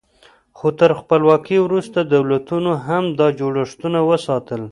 خو تر خپلواکۍ وروسته دولتونو هم دا جوړښتونه وساتل.